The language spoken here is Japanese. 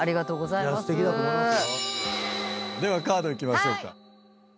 ではカードいきましょうか。